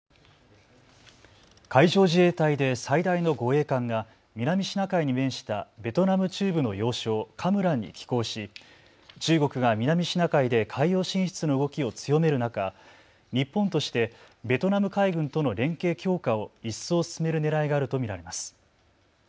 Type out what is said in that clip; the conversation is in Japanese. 海上自衛隊で最大の護衛艦が南シナ海に面したベトナム中部の要衝、カムランに寄港し中国が南シナ海で海洋進出の動きを強める中、日本としてベトナム海軍との連携強化を一層進めるねらいがあると見られます。